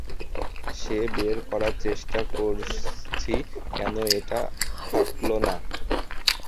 সে বের করার চেষ্টা করছি কেন এটা ফাটলো না।